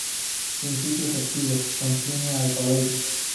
Principios activos: Contiene alcaloides.